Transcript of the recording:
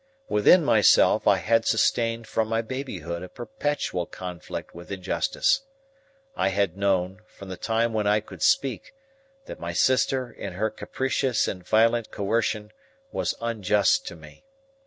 Within myself, I had sustained, from my babyhood, a perpetual conflict with injustice. I had known, from the time when I could speak, that my sister, in her capricious and violent coercion, was unjust to me.